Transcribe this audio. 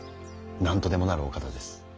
何とでもなるお方です。